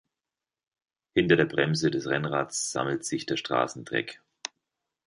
Hinter der Bremse des Rennrads sammelt sich der Straßendreck.